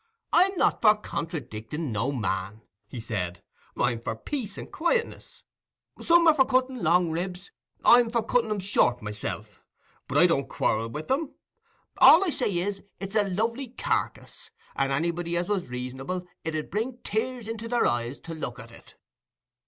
"I'm not for contradicking no man," he said; "I'm for peace and quietness. Some are for cutting long ribs—I'm for cutting 'em short myself; but I don't quarrel with 'em. All I say is, it's a lovely carkiss—and anybody as was reasonable, it 'ud bring tears into their eyes to look at it."